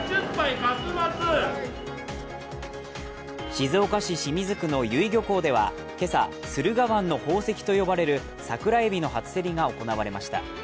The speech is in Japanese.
静岡市清水区の由比漁港では今朝、駿河湾の宝石と呼ばれるサクラエビの初競りが行われました。